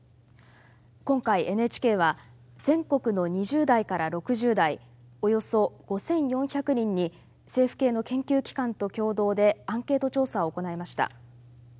今回ＮＨＫは全国の２０代から６０代およそ５，４００人に政府系の研究機関と共同でアンケート調査を行いました。